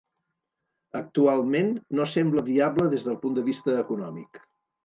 Actualment, no sembla viable des del punt de vista econòmic.